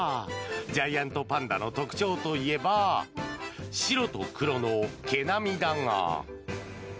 ジャイアントパンダの特徴と言えば白と黒の毛並みだが。